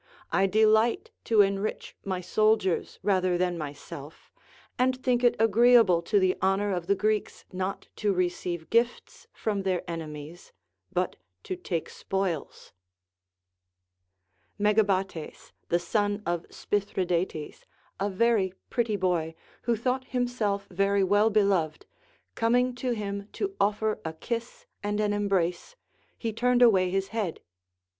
I delight to enrich my soldiers rather than myself, and think it agreeable to the honor of the Greeks not to receive gifts from their enemies but to take spoils. Megabates the son of Spithridates, a very pretty boy, who thought himself very well beloved, coming to him to offer a kiss and an embrace, he turned aAvay his head.